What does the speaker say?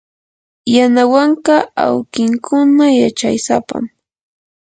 yanawanka awkinkuna yachaysapam.